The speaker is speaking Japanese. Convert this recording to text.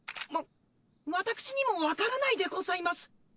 わ私にもわからないでございます。